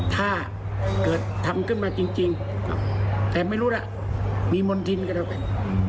ถ้าเกิดทำขึ้นมาจริงแต่ไม่รู้ล่ะมีมณฑินก็แล้วเป็น